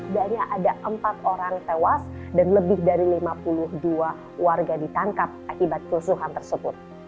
sebenarnya ada empat orang tewas dan lebih dari lima puluh dua warga ditangkap akibat kerusuhan tersebut